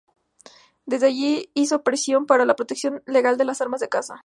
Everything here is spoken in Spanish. Desde allí hizo presión para la protección legal de las amas de casa.